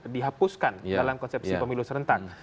dihapuskan dalam konsepsi pemilu serentak